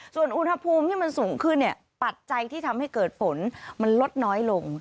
ส่วนอุณหภูมิที่มันสูงขึ้นเนี่ยปัจจัยที่ทำให้เกิดฝนมันลดน้อยลง